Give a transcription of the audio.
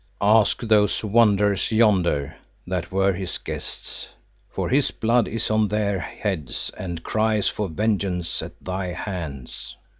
"Ask those wanderers yonder, that were his guests, for his blood is on their heads and cries for vengeance at thy hands."